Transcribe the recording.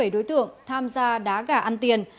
hai mươi bảy đối tượng tham gia đá gà ăn tiền